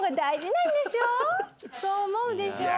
そう思うでしょ？